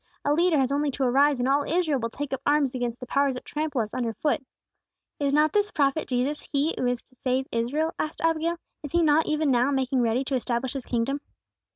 A leader has only to arise, and all Israel will take up arms against the powers that trample us under foot." "Is not this prophet, Jesus, He who is to save Israel?" asked Abigail. "Is He not even now making ready to establish His kingdom?"